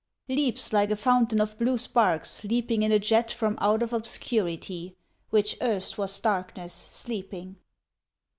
Leaps like a fountain of blue sparks leaping In a jet from out of obscurity, Which erst was darkness sleeping.